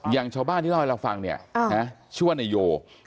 อย่างชาวบ้านที่เล่าให้เราฟังเนี่ยนะชื่อว่านายโย